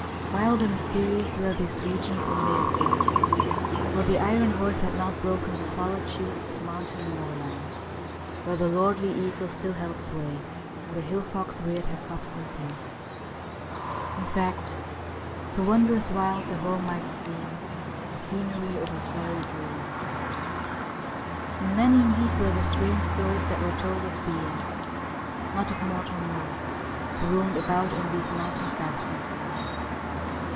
Wild and mysterious were these regions in those days, for the iron horse had not broken the solitudes of mountain and moorland, where the lordly eagle still held sway, and the hill fox reared her cubs in peace. In fact So wondrous wild, the whole might seem The scenery of a fairy dream. And many, indeed, were the strange stories that were told of beings, not of mortal mould, who roamed about in these mountain fastnesses.